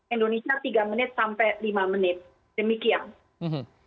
indonesia tiga menit sampai lima menit demikian